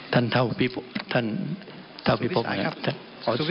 ท่านเท่าพี่พกษ์นะครับ